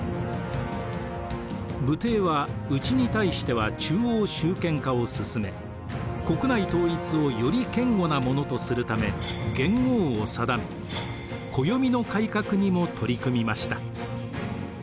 武帝は内に対しては中央集権化を進め国内統一をより堅固なものとするため元号を定め暦の改革にも取り組みました。